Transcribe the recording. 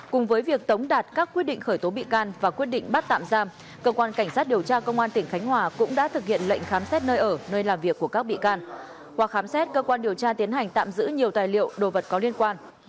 cùng với việc tống đạt các quyết định khởi tố bị can và quyết định bắt tạm giam cơ quan cảnh sát điều tra công an tỉnh khánh hòa cũng đã thực hiện lệnh khám xét nơi ở nơi làm việc của các bị can qua khám xét cơ quan điều tra tiến hành tạm giữ nhiều tài liệu đồ vật có liên quan